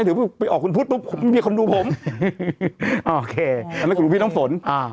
ถือว่าไปออกคุณพุทธตุ๊กคงไม่มีคนดูผมโอเคแล้วคุณหลุงพี่น้ำฝนอ่า